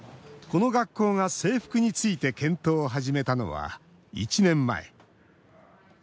この学校が制服について検討を始めたのは１年前。